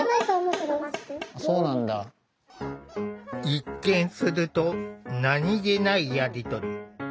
一見すると何気ないやり取り。